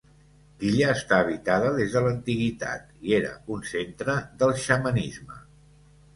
L'illa està habitada des de l'antiguitat i era un centre del xamanisme.